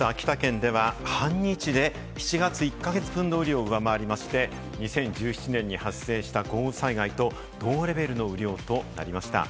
週末、秋田県では半日で７月１か月分の雨量を上回り、２０１７年に発生した豪雨災害と同レベルの雨量となりました。